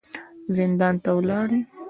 زندان ته ولاړې.